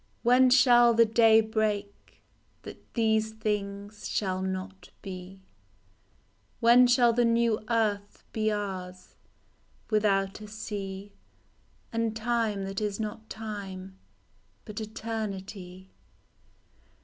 When shall the day break That these things shall not be ? When shall the new earth be ours Without a sea, And time that is not time, But eternity